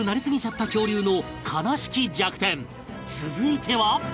続いては